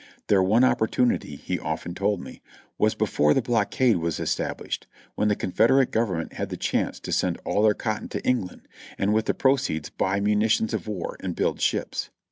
Their one opportunity, he often told me, was before the blockade was estabHshed, when the Confederate Government had the chance to send all their cotton to England, and with the proceeds buy munitions of war and build ships.